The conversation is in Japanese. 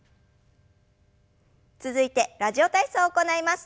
続いて「ラジオ体操」を行います。